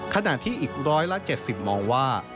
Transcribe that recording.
ขณะที่อีก๑๗๐มองว่า